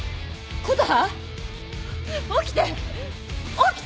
琴葉！